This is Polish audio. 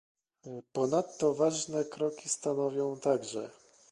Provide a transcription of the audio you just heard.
Ponadto ważne kroki stanowią także